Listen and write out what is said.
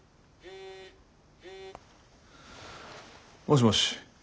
もしもし。